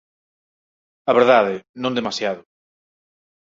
A verdade, non demasiado.